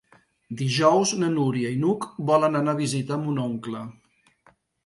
Dijous na Núria i n'Hug volen anar a visitar mon oncle.